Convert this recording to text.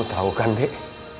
kamu tau kan dek